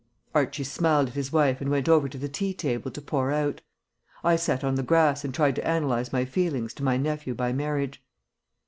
Archie smiled at his wife and went over to the tea table to pour out. I sat on the grass and tried to analyse my feelings to my nephew by marriage.